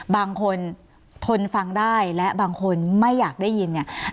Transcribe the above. บางคนทนฟังได้และบางคนไม่อยากได้ยินเนี่ย